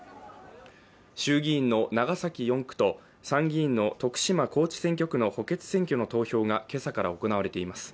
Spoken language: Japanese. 衆議院の長崎４区と参議院の徳島・高知選挙区の補欠選挙の投票がけさから行われています。